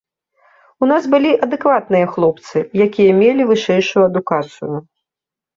У нас былі адэкватныя хлопцы, якія мелі вышэйшую адукацыю.